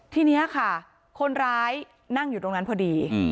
ทีนี้ค่ะคนร้ายนั่งอยู่ตรงนั้นพอดี